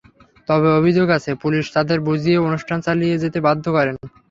তবে অভিযোগ আছে, পুলিশ তাদের বুঝিয়ে অনুষ্ঠান চালিয়ে যেতে বাধ্য করেন।